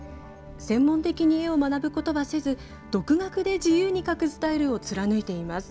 専門的に絵を学ぶことはせず独学で自由に描くスタイルを貫いています。